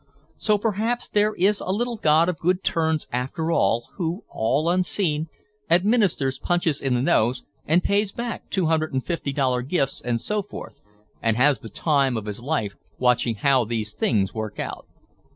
So perhaps there is a little god of good turns after all, who, all unseen, administers punches in the nose and pays back two hundred and fifty dollar gifts and so forth, and has the time of his life watching how these things work out.